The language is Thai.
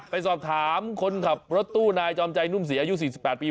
ไปสอบถามคนขับรถตู้นายจอมใจนุ่มศรีอายุ๔๘ปี